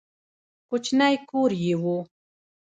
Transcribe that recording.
کوچنی کور یې و.